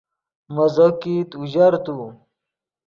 مزو کیت اوژر تو